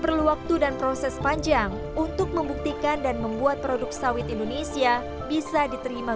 perlu waktu dan proses panjang untuk membuktikan dan membuat produk sawit indonesia bisa diterima